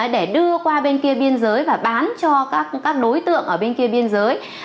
để đưa qua bên kia biên giới và bán cho các đối tượng ở bên kia biên giới